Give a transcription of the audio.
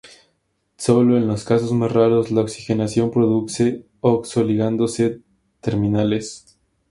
Sólo en los casos más raros la oxigenación produce oxo ligandos terminales.